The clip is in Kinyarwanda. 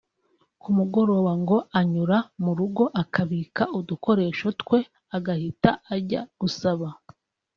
ku mugoroba ngo anyura mu rugo akabika udukoresho twe agahita ajya gusaba